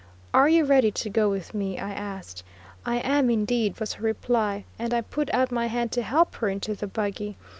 "Are you ready to go with me?" I asked. "I am, indeed," was her reply, and I put out my hand to help her into the buggy.